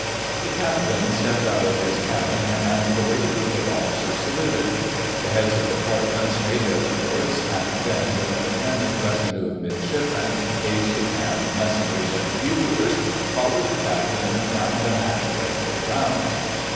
The Captain stepped out of his cabin, and the waiting group of officers saluted. The Heads of Departments made their reports, and then, with an attendant retinue of Midshipmen, Aides de Camp, messengers, and buglers, followed the Captain down the hatchway for the Rounds.